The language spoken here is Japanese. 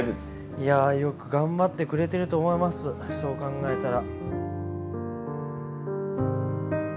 いやあよく頑張ってくれてると思いますそう考えたら。